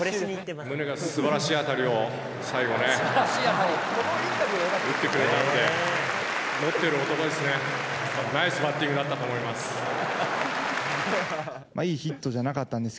ムネがすばらしい当たりを、最後ね、打ってくれたんで。